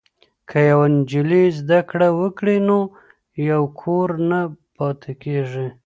که یوه نجلۍ زده کړه وکړي نو یو کور نه پاتې کیږي.